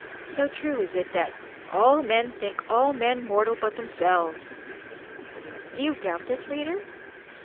So true is it that, "all men think all men mortal but themselves!" Do you doubt this, reader?